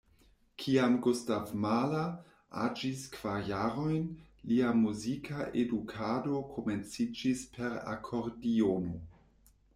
Kiam Gustav Mahler aĝis kvar jarojn, lia muzika edukado komenciĝis per akordiono.